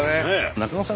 中野さん